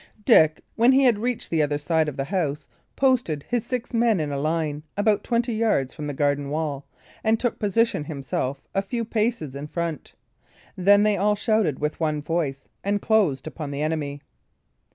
Dick, when he had reached the other side of the house, posted his six men in a line, about twenty yards from the garden wall, and took position himself a few paces in front. Then they all shouted with one voice, and closed upon the enemy.